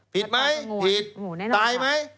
ผิดไหมผิดตายไหม